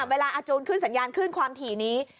เวลาอาจูนขึ้นสัญญาณขึ้นความถี่นี้